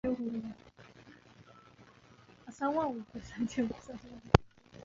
它的边缘外翻而不是总是抬起。